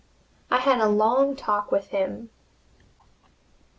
I had a long talk with him.